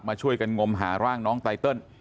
ช่วยกันงมหาร่างน้องไตเติล